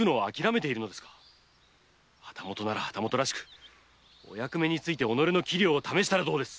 旗本なら旗本らしくお役目に就き己の器量を試したらどうです？